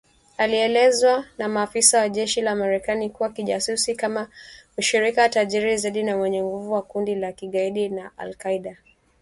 alielezwa na maafisa wa jeshi la Marekani kuwa kijasusi kama mshirika tajiri zaidi na mwenye nguvu wa kundi la kigaidi la al-Kaida